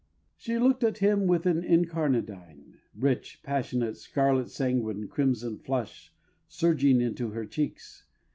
She looked at him with an incarnadine, Rich, passionate, scarlet sanguine crimson flush Surging into her cheeks.